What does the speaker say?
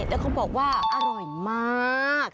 แล้วเขาบอกว่าอร่อยมาก